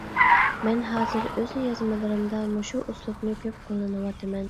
مەن ھازىر ئۆز يازمىلىرىمدا مۇشۇ ئۇسلۇبنى كۆپ قوللىنىۋاتىمەن.